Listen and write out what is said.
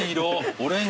オレンジ。